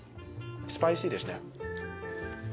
スパイシーですね。